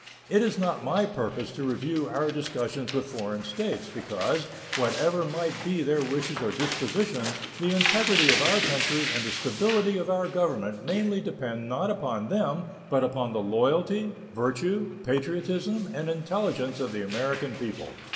It is not my purpose to review our discussions with foreign states, because, whatever might be their wishes or dispositions, the integrity of our country and the stability of our Government mainly depend not upon them, but on the loyalty, virtue, patriotism, and intelligence of the American people.